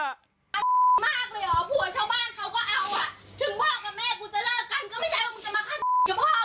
ก็ไม่ใช่ว่าจะมาฆ่าพ่อกัน